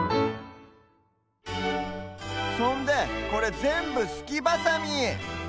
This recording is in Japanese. そんでこれぜんぶすきバサミ。